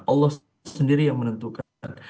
allah sendiri yang menentukan